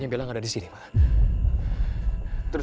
sampai jumpa di video selanjutnya